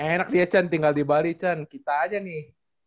enak dia can tinggal di bali can kita aja nih